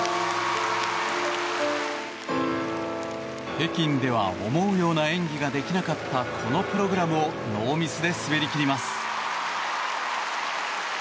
北京では思うような演技ができなかったこのプログラムをノーミスで滑り切ります。